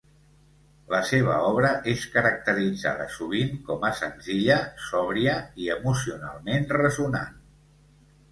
La seva obra és caracteritzada sovint com a senzilla, sòbria i emocionalment resonant.